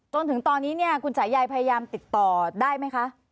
จนถึงตอนนี้เนี่ยคุณสายยายพยายามติดต่อได้ไหมคะ